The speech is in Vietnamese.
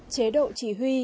chế độ chỉ huy